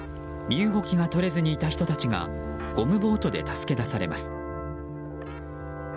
身動きが取れずにいた人たちがゴムボートで助け出されます。